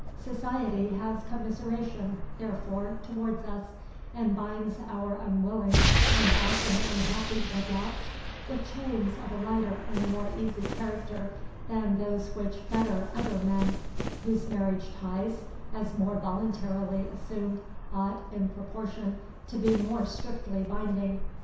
Society has commiseration, therefore, towards us, and binds our unwilling and often unhappy wedlocks with chains of a lighter and more easy character than those which fetter other men, whose marriage ties, as more voluntarily assumed, ought, in proportion, to be more strictly binding.